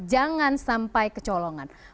jangan sampai kecolongan